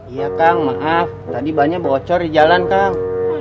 iya kang maaf tadi bannya bocor di jalan kang